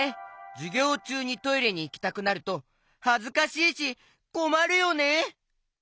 じゅぎょうちゅうにトイレにいきたくなるとはずかしいしこまるよね！